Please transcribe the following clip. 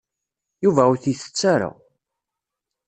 Yuba ur t-isett ara.